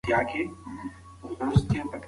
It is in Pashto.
ایا دا ماشوم د انا لمسی دی؟